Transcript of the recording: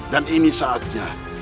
dan ini saatnya